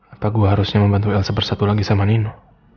apa gue harusnya membantu elsa bersatu lagi sama nino